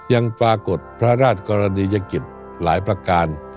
ยังปรากฏพระราชกรณียกิจหลายประการ